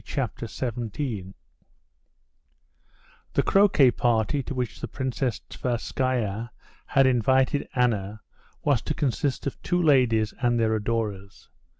Chapter 17 The croquet party to which the Princess Tverskaya had invited Anna was to consist of two ladies and their adorers.